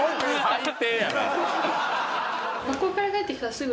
最低やな。